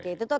oke itu tuh